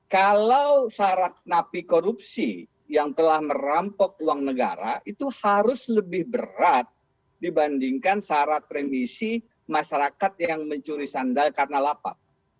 kalau syarat napi korupsi yang telah merampok uang negara itu harus lebih berat dibandingkan syarat remisi masyarakat yang mencuri sandal karena lapak